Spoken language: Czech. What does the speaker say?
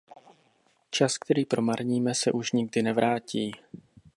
Čas, který promarníme, se už nikdy nevrátí.